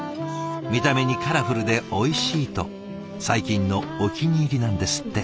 見た目にカラフルでおいしいと最近のお気に入りなんですって。